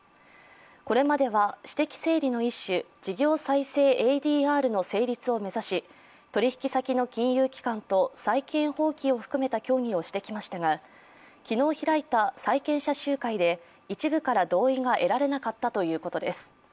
これまでは私的整理の一種事業再生ＡＤＲの成立を目指し取引先の金融機関と債権放棄を含めた協議をしてきましたが昨日開いた債権者集会で、一部から同意が得られなかったということです。